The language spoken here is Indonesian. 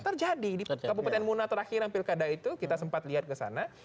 terjadi di kabupaten muna terakhir yang pilkada itu kita sempat lihat ke sana